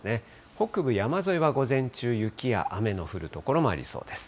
北部山沿いは午前中、雪や雨の降る所もありそうです。